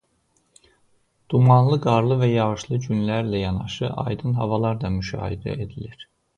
Dumanlı qarlı və yağışlı günlərlə yanaşı aydın havalar da müşahidə edilir.